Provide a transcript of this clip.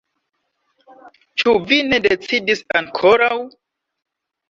Ĉu vi ne decidis ankoraŭ?